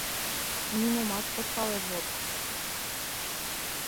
Нимомат от пале, вот!